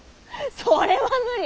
それは無理！